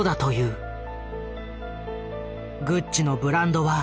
グッチのブランドはもはや